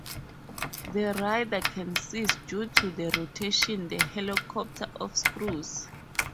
The radar can sees due to the rotation the helicopter of screws.